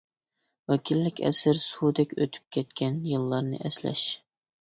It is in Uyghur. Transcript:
ۋەكىللىك ئەسىرى «سۇدەك ئۆتۈپ كەتكەن يىللارنى ئەسلەش» .